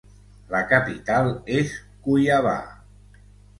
La capital és Cuiabá.